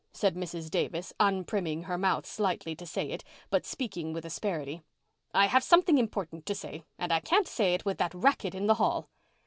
said Mrs. Davis, unprimming her mouth slightly to say it, but speaking with asperity. "I have something important to say, and I can't say it with that racket in the hall." Mr.